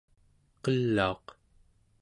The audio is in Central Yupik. qelauq